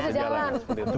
kalau nggak bisa jalan